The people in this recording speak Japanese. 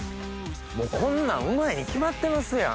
もうこんなんうまいに決まってますやん！